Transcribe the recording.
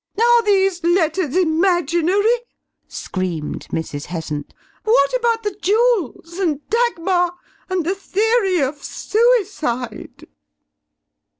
"Are these letters imaginary?" screamed Mrs. Heasant; "what about the jewels, and Dagmar, and the theory of suicide?"